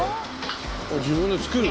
自分で作る？